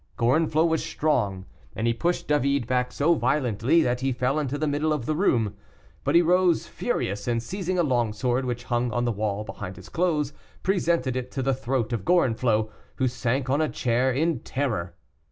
Gorenflot was strong, and he pushed David back so violently that he fell into the middle of the room. But he rose furious, and seizing a long sword, which hung on the wall behind his clothes, presented it to the throat of Gorenflot, who sank on a chair in terror.